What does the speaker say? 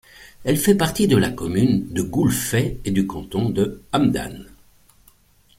Elle fait partie de la commune de Goulfey et du canton de Amdane.